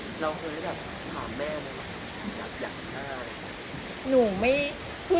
แล้วคุณจะถามแม่เลยว่าอยากได้อะไร